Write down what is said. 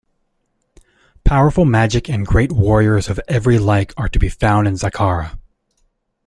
Powerful magic and great warriors of every like are to be found in Zakhara.